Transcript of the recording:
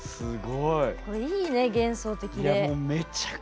これ、いいね、幻想的で。